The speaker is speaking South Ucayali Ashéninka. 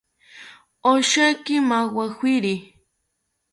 Osheki majawiri